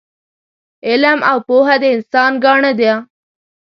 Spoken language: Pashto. علم او پوه د انسان ګاڼه ده